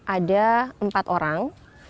ada empat orang